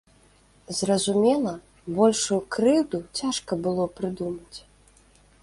Зразумела, большую крыўду цяжка было прыдумаць.